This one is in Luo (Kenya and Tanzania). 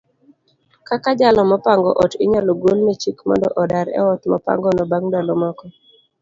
kaka jalo mopango ot inyalo golne chik mondo odar eot mopangono bang' ndalo moko.